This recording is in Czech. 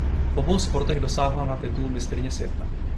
V obou sportech dosáhla na titul mistryně světa.